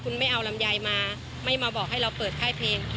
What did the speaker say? คุณไม่เอาลำไยมาไม่มาบอกให้เราเปิดค่ายเพลง